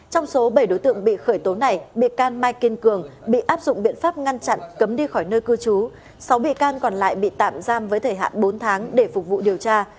trong số bảy đối tượng bị khởi tố này bị can mai kiên cường bị áp dụng biện pháp ngăn chặn cấm đi khỏi nơi cư trú sáu bị can còn lại bị tạm giam với thời hạn bốn tháng để phục vụ điều tra